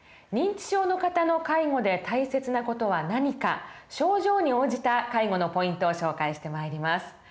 認知症の方の介護で大切な事は何か症状に応じた介護のポイントを紹介してまいります。